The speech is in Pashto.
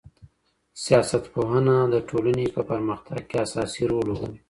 سياست پوهنه د ټولنې په پرمختګ کي اساسي رول لوبوي.